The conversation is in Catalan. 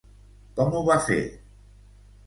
Com ho va fer?